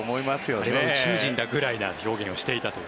あれは宇宙人だ、くらいの表現をしていたという。